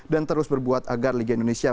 dan terus berbuat agar liga indonesia